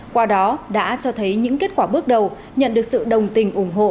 qua đó đã cho thấy những kết quả bước đầu nhận được sự đồng tình ủng hộ